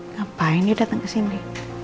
ngapain dia dateng kesini